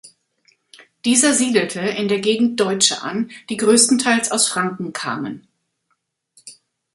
Dieser siedelte in der Gegend Deutsche an, die größtenteils aus Franken kamen.